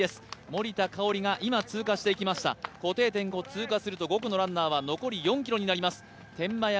森田香織が今、通過していきました固定点を通過すると５区のランナーは残り４ｋｍとなります。